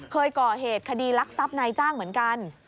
เคยก่อเหตุคดีรักทรัพย์นายจ้างเหมือนกัน